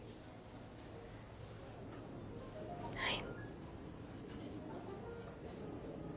はい。